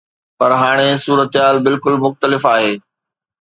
پر هاڻي صورتحال بلڪل مختلف آهي.